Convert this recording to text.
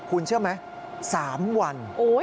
คุณเชื่อไหม๓วัน